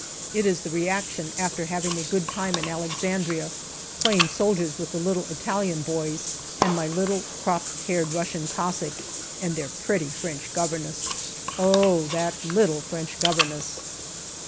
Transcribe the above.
It is the reaction after having a good time in Alexandria, playing soldiers with the little Italian boys and my little cropped haired Russian Cossack and their pretty French governess. Oh, that little French governess